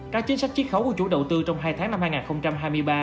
các chính sách chiếc khấu của chủ đầu tư trong hai tháng năm hai nghìn hai mươi ba